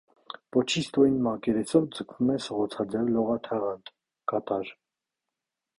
Պոչի ստորին մակերեսով ձգվում է սղոցաձև լողաթաղանթ (կատար)։